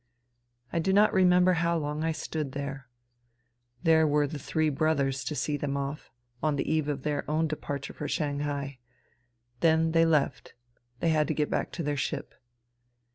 I do not remember how long I stood there. There were the " three brothers " to see them off, on the eve of their own departure for Shanghai ; then they left : they had to get back to their ship.